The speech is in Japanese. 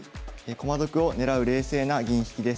「駒得を狙う冷静な銀引きです」。